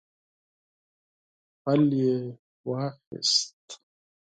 قدم یې واخیست